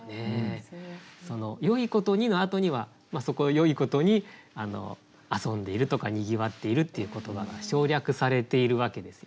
その「よいことに」のあとにはそこをよいことに遊んでいるとかにぎわっているっていう言葉が省略されているわけですよね。